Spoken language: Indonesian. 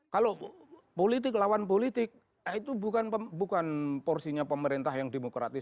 kalau politik lawan politik itu bukan porsinya pemerintah yang demokratis